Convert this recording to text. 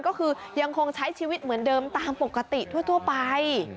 ก็คือยังคงใช้ชีวิตเหมือนเดิมตามปกติทั่วไป